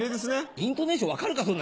イントネーション分かるかそんな！